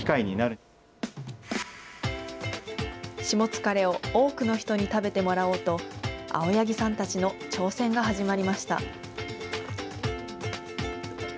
しもつかれを多くの人に食べてもらおうと、青柳さんたちの挑戦が始まりました。